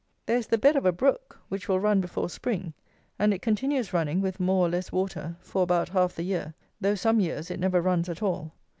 There is the bed of a brook, which will run before spring, and it continues running with more or less water for about half the year, though, some years, it never runs at all.